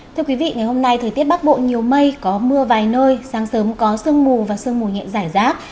thưa quý vị ngày hôm nay thời tiết bắc bộ nhiều mây có mưa vài nơi sáng sớm có sương mù và sương mù nhẹn rải rác